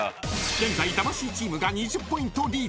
［現在魂チームが２０ポイントリード］